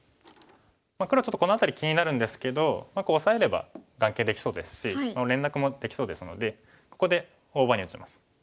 黒はちょっとこの辺り気になるんですけどこうオサえれば眼形できそうですし連絡もできそうですのでここで大場に打ちます。